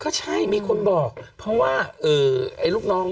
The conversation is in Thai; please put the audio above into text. ก็ใช่มีคนบอกเพราะว่าไอ้ลูกน้อง